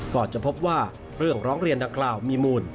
ก่อนจะพบว่าเรื่องร้องเรียนดังกล่าวมีมูล